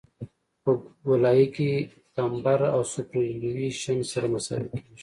په ګولایي کې کمبر او سوپرایلیویشن سره مساوي کیږي